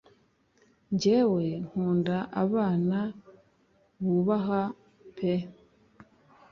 jyewe nkunda abana bubaha peuh